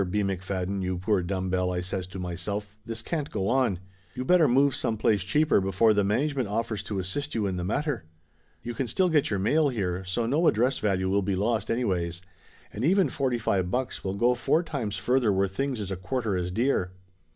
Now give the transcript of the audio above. McFadden, you poor dumb bell," I says to myself, "this can't go on. You better move some place cheaper before the management offers to as sist you in the matter. You can still get your mail here, so no address value will be lost anyways. And even forty five bucks will go four times further where things is a quarter as dear